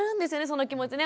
その気持ちね。